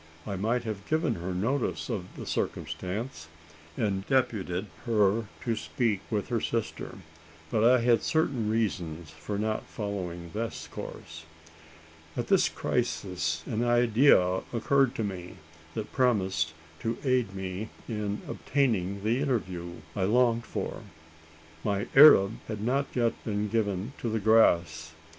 I might have given her notice of the circumstance, and deputed her to speak with her sister; but I had certain reasons for not following this course. At this crisis an idea occurred to me, that promised to aid me in obtaining the interview I longed for. My Arab had not yet been given to the grass!